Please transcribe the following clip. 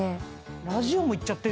ラジオもいっちゃってる！